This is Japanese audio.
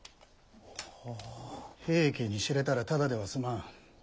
平家に知れたらただでは済まん。